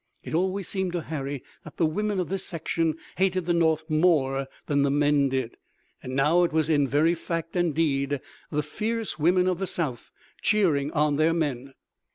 It always seemed to Harry that the women of this section hated the North more than the men did, and now it was in very fact and deed the fierce women of the South cheering on their men.